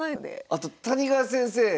あと谷川先生